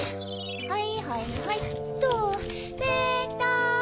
はいはいはいっとできた。